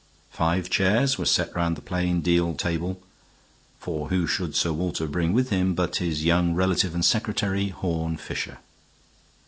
Five chairs were set round the plain deal table, for who should Sir Walter bring with him but his young relative and secretary, Horne Fisher.